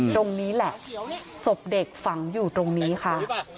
ตรงนี้แหละศพเด็กฝังอยู่ตรงนี้ค่ะ